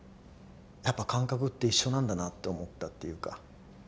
やっぱ感覚って一緒なんだなって思ったっていうか。